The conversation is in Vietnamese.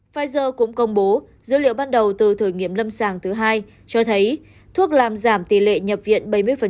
pfizer cũng công bố dữ liệu ban đầu từ thử nghiệm lâm sàng thứ hai cho thấy thuốc làm giảm tỷ lệ nhập viện bảy mươi